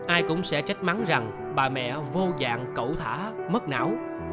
ai cũng sẽ trách mắng rằng bà mẹ vô dạng cẩu thả mất não